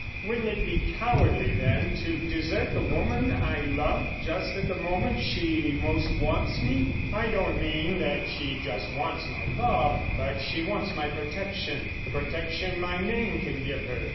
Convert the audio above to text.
"Wouldn't it be cowardly, then, to desert the woman I love just at the moment she most wants me? I don't mean that she just wants my love, but she wants my protection. The protection my name can give her.